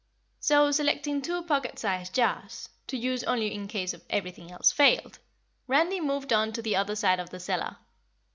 So, selecting two pocket size jars, to use only in case everything else failed, Randy moved on to the other side of the cellar.